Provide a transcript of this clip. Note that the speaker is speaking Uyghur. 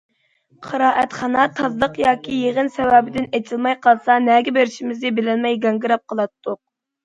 قىرائەتخانا تازىلىق ياكى يىغىن سەۋەبىدىن ئېچىلماي قالسا نەگە بېرىشىمىزنى بىلەلمەي گاڭگىراپ قالاتتۇق.